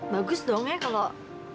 bagus dong ya kalau